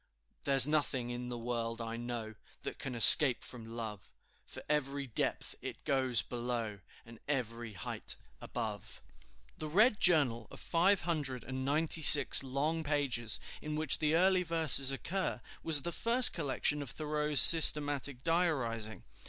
"There's nothing in the world, I know, That can escape from Love, For every depth it goes below, And every height above." The Red Journal of five hundred and ninety six long pages, in which the early verses occur, was the first collection of Thoreau's systematic diarizing.